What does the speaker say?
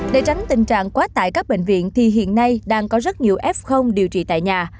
để tránh tình trạng quá tải các bệnh viện thì hiện nay đang có rất nhiều f điều trị tại nhà